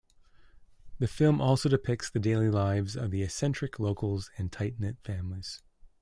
The film also depicts the daily lives of the eccentric locals and tight-knit families.